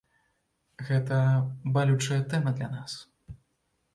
Гэта балючая тэма для нас.